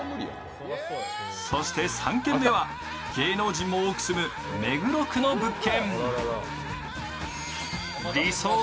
そして３軒目は芸能人も多く住む目黒区の物件。